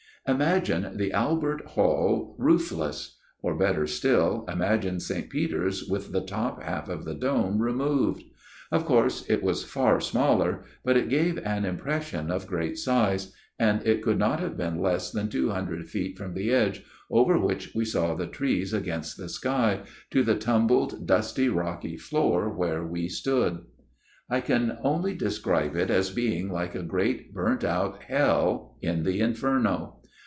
" Imagine the Albert Hall roofless ; or better still, imagine Saint Peter's with the top half of the dome removed. Of course it was far smaller ; but it gave an impression of great size ; and it could not have been less than two hundred feet from the edge, over which we saw the trees against the sky, to the tumbled dusty rocky floor where we stood. MR. PERCIVAL'S TALE 271 " I can only describe it as being like a great, burnt out hell in the Inferno.